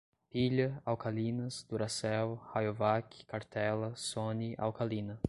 Pilha, alcalinas, duracell, rayovak, cartela, sony, alcalina